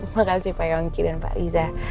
makasih pak yongki dan pak riza